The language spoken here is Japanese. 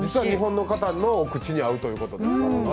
日本の方の口に合うということで。